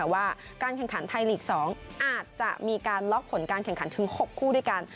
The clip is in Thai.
ว่าการแข่งขันไทยลีก๒อาจจะมีการล็อกผลการแข่งขันถึง๖คู่ด้วยกัน